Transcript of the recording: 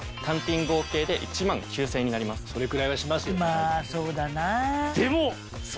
まぁそうだなぁ。